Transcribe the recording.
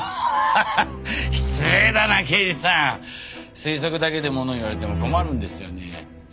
推測だけでものを言われても困るんですよね。